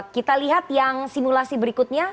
kita lihat yang simulasi berikutnya